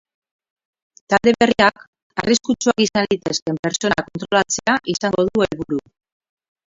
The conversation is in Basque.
Talde berriak arriskutsuak izan litezkeen pertsonak kontrolatzea izango du helburu.